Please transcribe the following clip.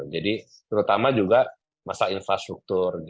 jadi terutama juga masa infrastruktur